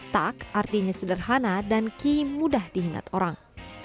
tak artinya sederhana dan key mudah diingat orang